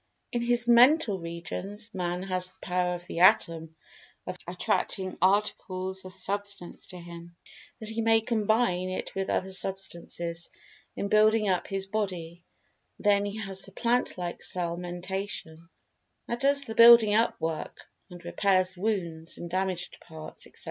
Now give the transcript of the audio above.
In his Mental regions, man has the power of the Atom of attracting particles of Substance to him, that he may combine it with other Substances in building up his body—then he has the plant like cell mentation, that does the building up work, and repairs wounds, and damaged[Pg 208] parts, etc.